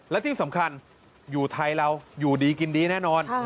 และที่สำคัญอยู่ไทยเราอยู่ดีกินดีแน่นอน